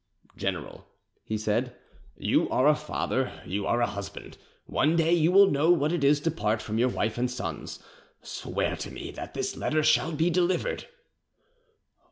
"General," he said, "you are a father, you are a husband, one day you will know what it is to part from your wife and sons. Swear to me that this letter shall be delivered."